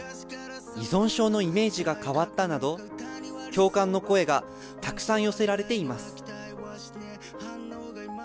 依存症のイメージが変わったなど、共感の声がたくさん寄せられています。